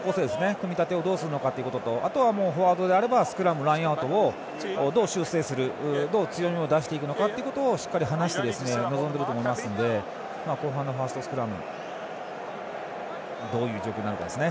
組み立てをどうするのかというのとあとは、フォワードであればスクラム、ラインアウトをどう修正するどう強みを出していくのかをしっかり話して臨んでいると思いますので後半のファーストスクラムどういう状況になるかですね。